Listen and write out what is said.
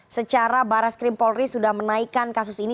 secara barat skrim polri sudah menaikkan kasus ini